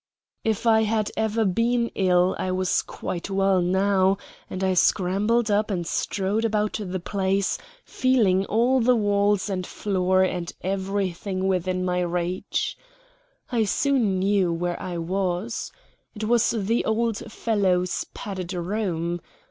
If I had ever been ill, I was quite well now, and I scrambled up and strode about the place, feeling all the walls and floor and everything within my reach. I soon knew where I was. It was the old fellow's padded room.